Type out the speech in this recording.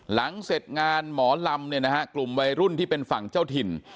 หลังเสร็จงานหมอลำเนี่ยนะฮะกลุ่มวัยรุ่นที่เป็นฝั่งเจ้าถิ่น